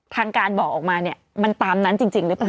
ทางการบอกออกมาเนี่ยมันตามนั้นจริงหรือเปล่า